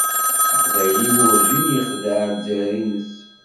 Aqbayli werǧin yexdaɛ Lezzayer-nnes.